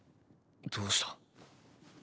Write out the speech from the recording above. どうした？